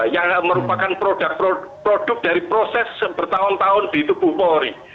yang merupakan produk produk dari proses bertahun tahun di tubuh polri